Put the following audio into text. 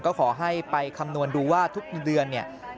ก็ขอให้ไปคำนวณดูว่าทุกเดือนเนี่ย